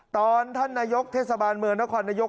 ท่านนายกเทศบาลเมืองนครนายก